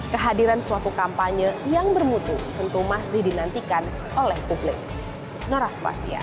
kehadiran dunia digital memberikan keuntungan bagi pasangan calon untuk mempopulerkan dirinya dengan cara masing masing namun